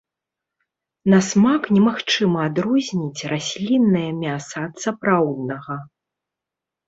На смак немагчыма адрозніць расліннае мяса ад сапраўднага.